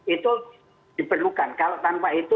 itu diperlukan kalau tanpa itu